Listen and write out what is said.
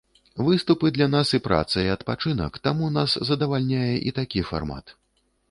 Выступы для нас і праца, і адпачынак, таму нас задавальняе і такі фармат.